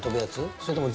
それとも。